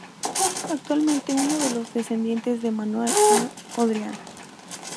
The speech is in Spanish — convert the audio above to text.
Actualmente uno de los descendientes de Manuel A. Odría.